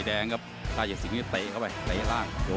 เด่อย้าไกล